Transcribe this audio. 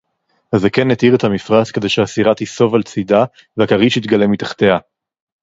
הַזָּקֵן הִתִּיר אֶת הַמִּפְרָשׂ כְּדֵי שֶׁהַסִּירָה תִּיסּוֹב עַל צֵידָה וְהַכָּרִישׁ יִתְגַּלֶּה מִתַּחְתֶּיהָ